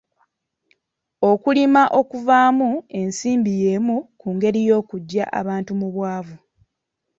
Okulima okuvaamu ensimbi y'emu ku ngeri y'okuggya abantu mu bwavu.